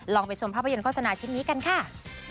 ไปชมภาพยนตโฆษณาชิ้นนี้กันค่ะ